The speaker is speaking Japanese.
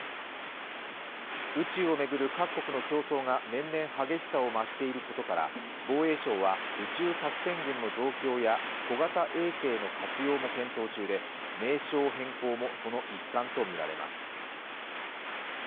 宇宙を巡る各国の競争が年々激しさを増していることから防衛省は宇宙作戦群の増強や小型衛星の活用も検討中で、名称変更もその一環とみられます。